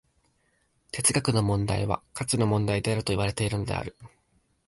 哲学の問題は価値の問題であるといわれるのである。